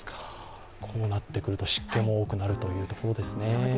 こうなってくると湿気も多くなるというところですね。